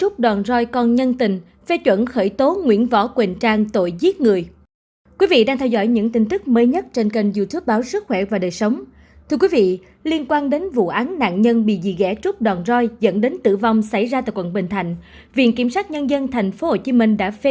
các bạn hãy đăng ký kênh để ủng hộ kênh của chúng mình nhé